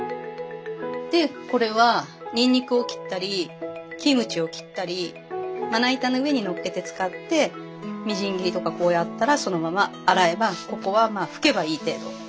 でこれはニンニクを切ったりキムチを切ったりまな板の上にのっけて使ってみじん切りとかこうやったらそのまま洗えばここはまあ拭けばいい程度っていう。